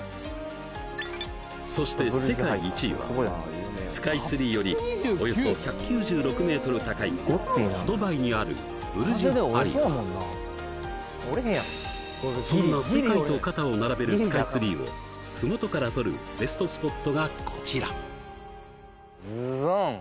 そして世界１位はスカイツリーよりおよそ１９６メートル高いドバイにあるブルジュ・ハリファそんな世界と肩を並べるスカイツリーを麓から撮るベストスポットがこちらズドン！